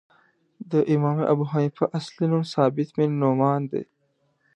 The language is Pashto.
د امام ابو حنیفه اصلی نوم ثابت بن نعمان دی .